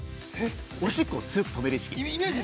おしっこを強く止めるイメージ。